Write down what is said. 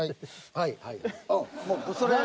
はいはい。